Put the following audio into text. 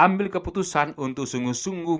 ambil keputusan untuk sungguh sungguh